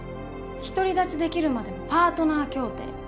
「独り立ちできるまでのパートナー協定」。